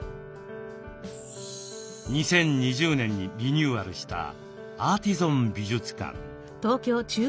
２０２０年にリニューアルしたアーティゾン美術館。